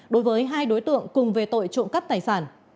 đối với hai đối tượng cùng về tội trộm cắp tài sản